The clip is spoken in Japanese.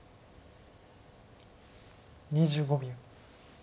２５秒。